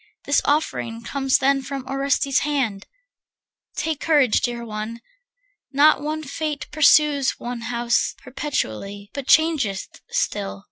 This offering comes then of Orestes' hand. Take courage, dear one. Not one fate pursues One house perpetually, but changeth still.